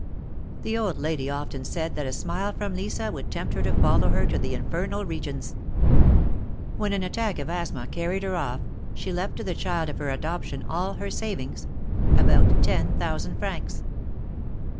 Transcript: Tlie old lady often said that a smile from Lisa Avould tempt her to follow her to the infernal regions. When an attack of asthma carried her off, she left to the child of her adoption all her savings — THE MAEKETS OF PAEIS. 69 about ten thousand francs.